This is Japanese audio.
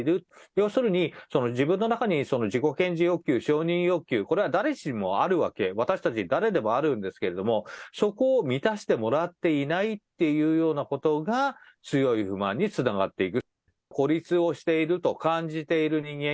要するに、自分の中に自己顕示欲求、承認欲求、これは誰しもあるわけ、私たち、誰でもあるんですけれども、そこを満たしてもらっていないっていうようなことが強い不満につながっていく。